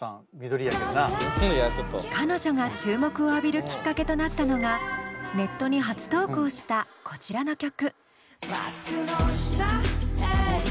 彼女が注目を浴びるきっかけとなったのがネットに初投稿したこちらの曲。